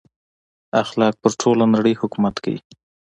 اخلاق پر ټوله نړۍ حکومت کوي.